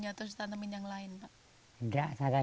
jika tidak petani terpaksa diberi kekuatan